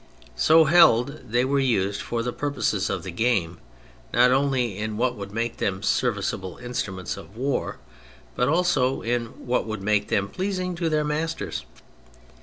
So held, they were used for the purposes of the game, not only in what would make them serviceable instruments of war, but also in what v/ould make them pleasing to their masters.